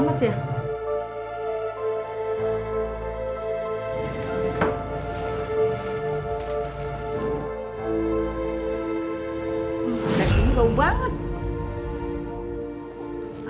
dagingnya tau banget